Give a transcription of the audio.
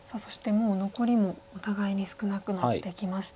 もう残りもお互いに少なくなってきました。